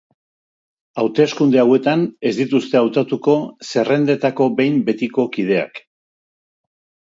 Hauteskunde hauetan ez dituzte hautatuko zerrendetako behin betiko kideak.